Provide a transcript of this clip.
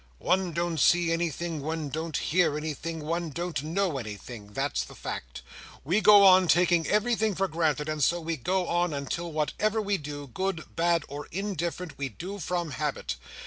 One don't see anything, one don't hear anything, one don't know anything; that's the fact. We go on taking everything for granted, and so we go on, until whatever we do, good, bad, or indifferent, we do from habit.